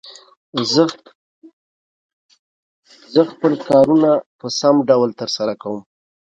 زه خپل کارونه په سم ډول تر سره کووم.